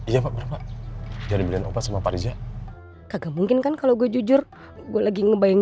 ya iya pak jangan beli obat sama pak rija kagak mungkin kan kalau gue jujur gue lagi ngebayang